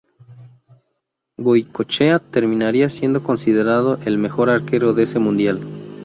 Goycochea terminaría siendo considerado el mejor arquero de ese mundial.